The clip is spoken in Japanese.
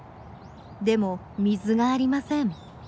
でも水がありません。